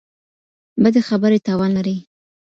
بدې خبرې تاوان لري.